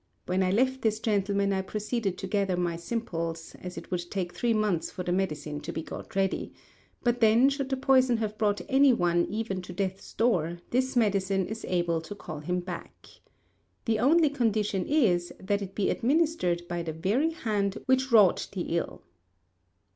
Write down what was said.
When I left this gentleman I proceeded to gather my simples, as it would take three months for the medicine to be got ready; but then, should the poison have brought anyone even to death's door, this medicine is able to call him back. The only condition is that it be administered by the very hand which wrought the ill."